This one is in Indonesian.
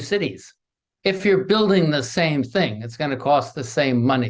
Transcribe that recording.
jika anda membangun hal yang sama itu akan berharga yang sama